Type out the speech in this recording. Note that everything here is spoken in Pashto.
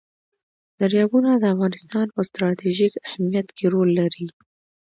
دریابونه د افغانستان په ستراتیژیک اهمیت کې رول لري.